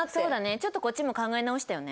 ちょっとこっちも考え直したよね。